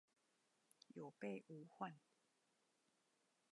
有備無患